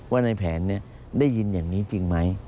ว่าในแผนได้ยินอย่างนี้จริงไหม